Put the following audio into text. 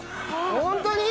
ホントに！？